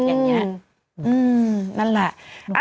อืมนั่นแหละ